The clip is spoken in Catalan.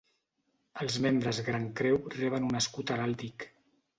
Els Membres Gran Creu reben un escut heràldic.